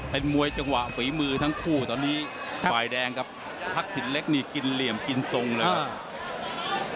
เป็นมวยจังหวะฝีมือทั้งคู่ตอนนี้ฝ่ายแดงครับทักษิณเล็กนี่กินเหลี่ยมกินทรงเลยครับ